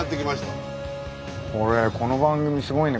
これこの番組すごいね。